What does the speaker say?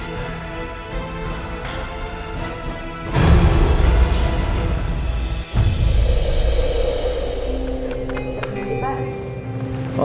terima kasih pak